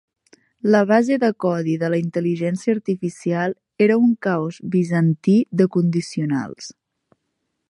La base de codi de la intel·ligència artificial era un caos bizantí de condicionals.